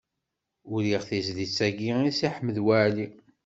Uriɣ tizlit-agi i Si Ḥmed Waɛli.